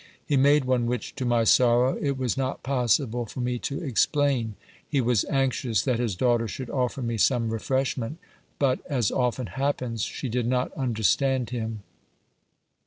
He made one which, to my sorrow, it was not possible for me to explain ; he was anxious that his daughter should offer me some refresh ment, but, as often happens, she did not understand him.